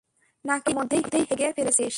নাকি ইতোমধ্যেই হেগে ফেলেছিস?